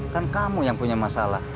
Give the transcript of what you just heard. kan kamu yang punya masalah